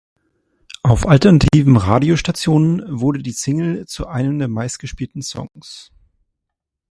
Auf alternativen Radiostationen wurde die Single zu einem der meistgespielten Songs.